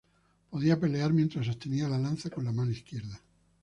Podía pelear mientras sostenía la lanza con la mano izquierda.